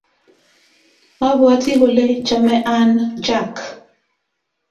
Abwati kole chame Ann jack